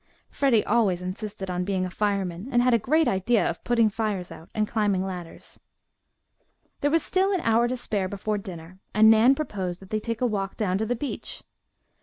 Freddie always insisted on being a fireman and had a great idea of putting fires out and climbing ladders. There was still an hour to spare before dinner, and Nan proposed that they take a walk down to the beach.